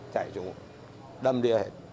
chảy xuống đâm đi hết